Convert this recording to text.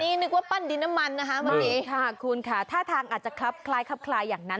อันนี้นึกว่าปั้นดินมันนะคะมาดีค่ะคุณค่ะท่าทางอาจจะคลับคลายอย่างนั้น